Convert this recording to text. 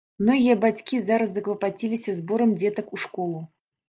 Многія бацькі зараз заклапаціліся зборам дзетак у школу.